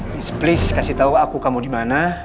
miss please kasih tau aku kamu dimana